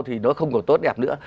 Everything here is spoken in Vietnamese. thì nó không còn tốt đẹp nữa